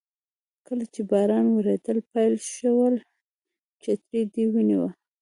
کله چې باران وریدل پیل شول چترۍ دې ونیوه.